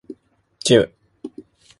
ジム